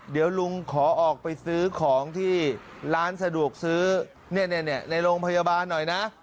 เดี๋ยวลุงขอออกไปซื้อของที่ร้านสะดวกซื้อในโรงพยาบาลหน่อยนะ